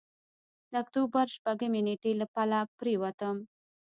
د اکتوبر شپږمې نېټې له پله پورېوتم.